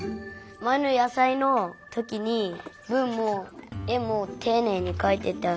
まえのやさいのときにぶんもえもていねいにかいてたから。